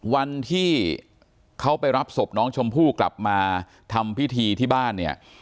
วันที่เขาไปรับศพน้องชมพู่กลับมาทำพิธีที่บ้านเนี่ย